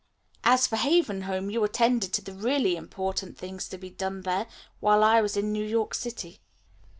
As for Haven Home, you attended to the really important things to be done there while I was in New York City.